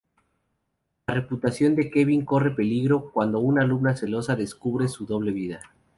La reputación de Kevin corre peligro cuando una alumna celosa descubre su doble vida.